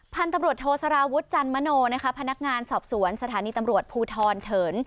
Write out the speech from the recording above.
พาลตำรวจโทษรวุชจันมณโงพันธ์ทดสอบสวนสถานีตำรวจภูทรเถิร์น